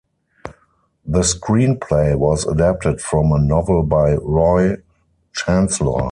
The screenplay was adapted from a novel by Roy Chanslor.